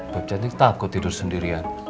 beb jatuh takut tidur sendirian